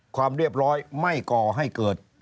ความเรียบร้อยไม่ก่อให้เกิด